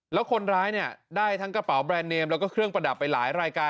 แล้วคนร้ายเนี่ยได้ทั้งกระเป๋าแบรนด์เนมแล้วก็เครื่องประดับไปหลายรายการ